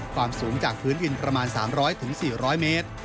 ความสูงจากพื้นดินประมาณ๓๐๐๔๐๐เมตร